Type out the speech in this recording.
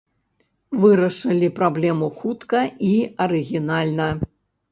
Вырашылі праблему хутка і арыгінальна.